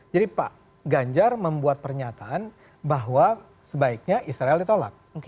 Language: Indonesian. jadi pak ganjar membuat pernyataan bahwa sebaiknya israel ditolak